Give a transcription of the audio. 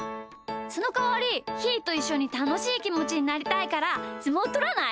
そのかわりひーといっしょにたのしいきもちになりたいからすもうとらない？